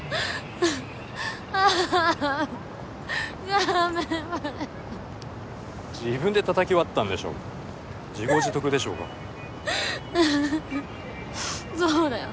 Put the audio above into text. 画面割れてる自分でたたき割ったんでしょ自業自得でしょうがあぁそうだよ